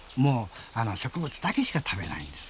植物だけしか食べないんです。